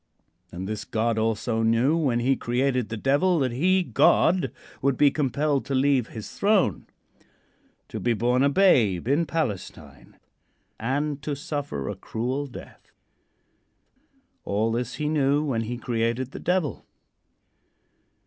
And this God also knew when he created the Devil, that he, God, would be compelled to leave his throne, to be bom a babe in Palestine, and to suffer a cruel death. All this he knew when he created the Devil.